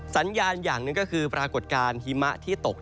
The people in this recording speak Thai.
สัญญาณอย่างหนึ่งก็คือปรากฏการณ์หิมะที่ตก